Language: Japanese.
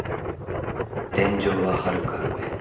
天井ははるか上。